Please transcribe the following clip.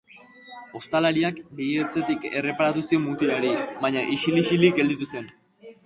Ostalariak begi-ertzetik erreparatu zion mutilari, baina isil-isilik gelditu zen.